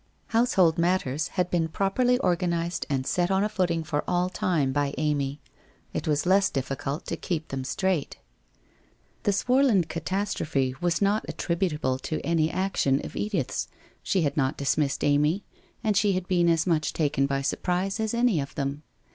Household matters had been properly organized and set on a footing for all time by Amy ; it was less difficult to keep them straight. The Swarland catastrophe was not attributable to any action of Edith's; she had not dismissed Amy, she had been as much taken by surprise as any of them.